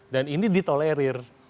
dan ini ditolerir